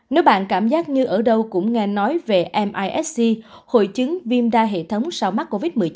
nếu bạn cảm giác như ở đâu cũng nghe nói về misc hội chứng viêm đa hệ thống sau mắc covid một mươi chín